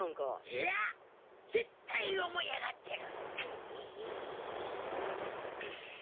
いや！絶対思い上がってる！